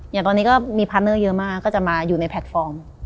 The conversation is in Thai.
อย่างตอนนี้ก็มีพาร์ทเนอร์เยอะมากก็จะมาอยู่ในแพลตฟอร์ม